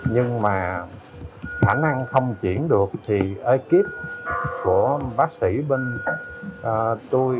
nhưng mà khả năng không chuyển được thì ekip của bác sĩ bên tôi